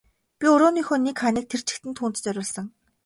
Би өрөөнийхөө нэг ханыг тэр чигт нь түүнд зориулсан.